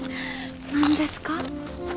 何ですか？